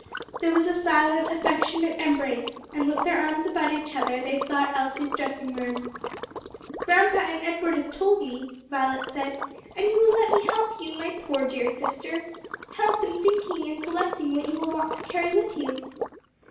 There was a silent affectionate embrace, and with their arms about each other they sought Elsie's dressing room. "Grandpa and Edward have told me," Violet said, "and you will let me help you, my poor dear sister? help in thinking and selecting what you will want to carry with you."